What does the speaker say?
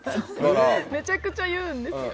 めちゃくちゃ言うんですよ。